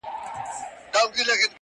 ورځو کډه کړې ده اسمان ګوري کاږه ورته،